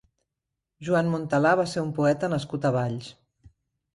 Joan Montalà va ser un poeta nascut a Valls.